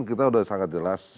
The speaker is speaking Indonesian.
kita udah sangat jelas